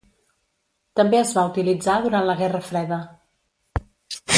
També es va utilitzar durant la Guerra Freda.